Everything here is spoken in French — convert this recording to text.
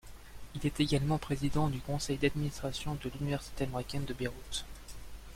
Il est également président du conseil d'administration de l'université américaine de Beyrouth.